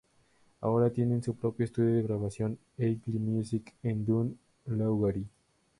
Ahora tienen su propio estudio de grabación, "Aigle Music", en Dún Laoghaire.